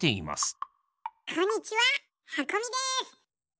こんにちははこみです。